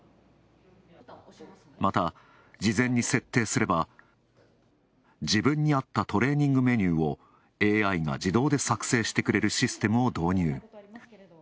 また、事前に設定すれば自分に合ったトレーニングメニューをＡＩが自動で作成してくれるシステムを導入。